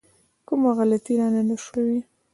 کومه غلطي رانه شوې.